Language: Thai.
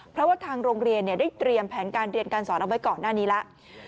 เพราะว่าทางโรงเรียนได้เตรียมแผนการเรียนการสอนเอาไว้ก่อนหน้านี้แล้ว